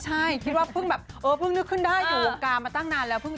ไม่ใช่พึ่งนึกขึ้นได้อยู่อวกาศมาตั้งนานแล้ว